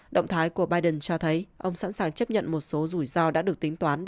động thái của biden cho thấy ông sẵn sàng chấp nhận một số rủi ro đã được tính toán